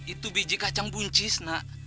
itu biji kacang buncis nak